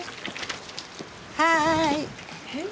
はい。